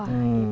wah itu dia